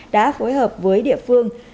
đã phối hợp với địa phương